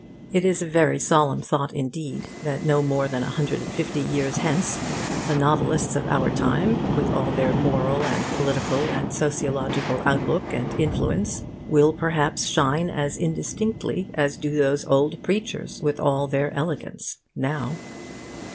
It is a very solemn thought indeed that no more than a hundred and fifty years hence the novelists of our time, with all their moral and political and sociological outlook and influence, will perhaps shine as indistinctly as do those old preachers, with all their elegance, now.